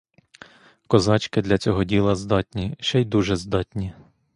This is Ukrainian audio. Козачки до цього діла здатні, ще й дуже здатні.